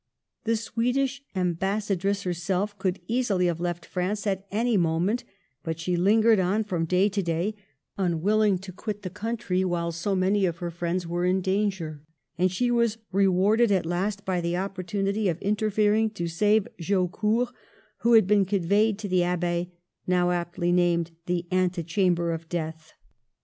The Swedish ambassadress herself could easily have left France at any moment, but she lingered on from day to day, unwilling to quit the country while so many of her friends were in danger; and she was rewarded at last by the opportunity of interfering to save Jaucourt, who had been conveyed to the Abbaye — now aptly named " the Ante chamber of Death."